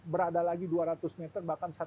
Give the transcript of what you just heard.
berada lagi dua ratus meter bahkan